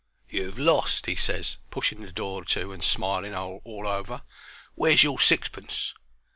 "You've lost," he ses, pushing the door to and smiling all over. "Where's your sixpence?"